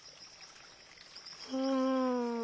うん。